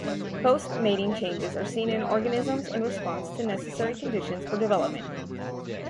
Post-mating changes are seen in organisms in response to necessary conditions for development.